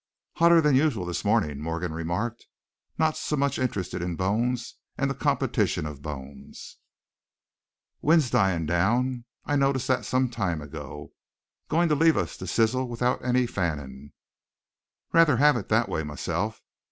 "Hotter than usual this morning," Morgan remarked, not so much interested in bones and the competition of bones. "Wind's dying down; I noticed that some time ago. Goin' to leave us to sizzle without any fannin'. Ruther have it that way, myself.